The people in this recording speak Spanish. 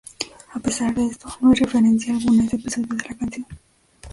A pesar de esto, no hay referencia alguna a ese episodio en la canción.